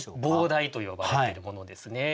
傍題と呼ばれているものですね。